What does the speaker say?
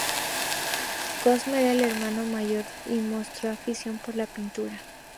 Cosme era el mayor de los hermanos y mostró afición por la pintura.